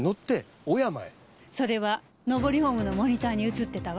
それは上りホームのモニターに映ってたわ。